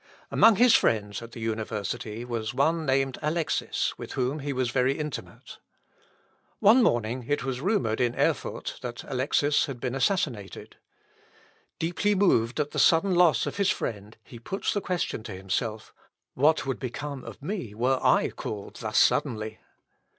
Among his friends at the university was one named Alexis, with whom he was very intimate. One morning it was rumoured in Erfurt that Alexis had been assassinated. Deeply moved at the sudden loss of his friend, he puts the question to himself What would become of me were I called thus suddenly?